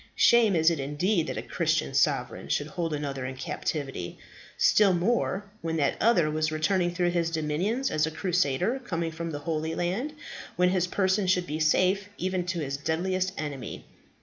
Shame is it indeed that a Christian sovereign should hold another in captivity. Still more, when that other was returning through his dominions as a crusader coming from the Holy Land, when his person should be safe, even to his deadliest enemy.